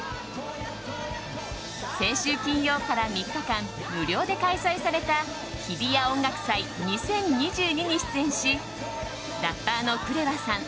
先週金曜日から３日間無料で開催された日比谷音楽祭２０２２に出演しラッパーのＫＲＥＶＡさん